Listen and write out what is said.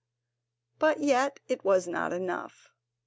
But yet it was not enough.